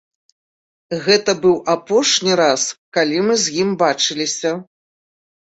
Гэта быў апошні раз, калі мы з ім бачыліся.